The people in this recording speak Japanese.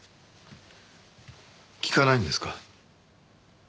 聞かないんですか？